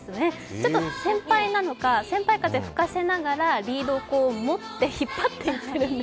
ちょっと先輩なのか先輩風を吹かせながらリードを引っ張っています。